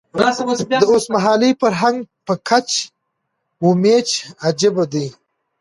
د اوسمهالي فرهنګ په کچ و میچ عجیبه دی.